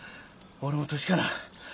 俺も年かな。